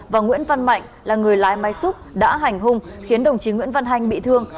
và nguyễn văn mạnh là người lái máy xúc đã hành hung khiến đồng chí nguyễn văn hanh bị thương